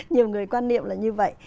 nhiều người quan niệm là như vậy